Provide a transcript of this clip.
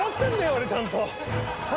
俺ちゃんと！